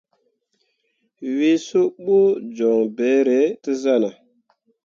Wǝ suɓu joŋ beere te zarah.